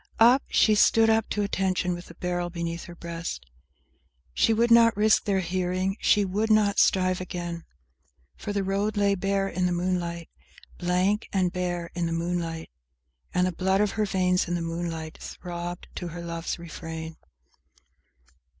Up, she stood up to attention, with the barrel beneath her breast, She would not risk their hearing; she would not strive again; For the road lay bare in the moonlight; Blank and bare in the moonlight; And the blood of her veins in the moonlight throbbed to her love's refrain